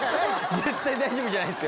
絶対大丈夫じゃないですよ。